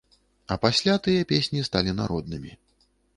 А пасля тыя песні сталі народнымі.